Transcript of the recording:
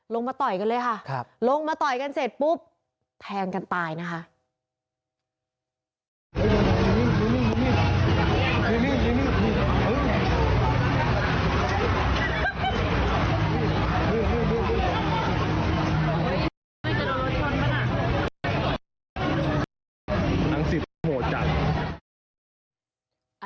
มาต่อยกันเลยค่ะลงมาต่อยกันเสร็จปุ๊บแทงกันตายนะคะ